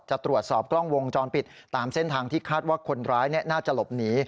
จะตรวจสอบกล้องวงจรปิดตามเส้นทางที่คาดว่าคนร้ายน่าจะหลบหนี